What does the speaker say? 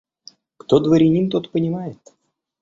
Кто дворянин, тот понимает.